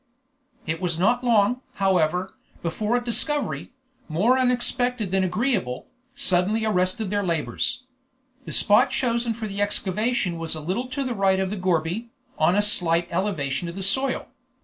It was not long, however, before a discovery, more unexpected than agreeable, suddenly arrested their labors. The spot chosen for the excavation was a little to the right of the gourbi, on a slight elevation of the soil.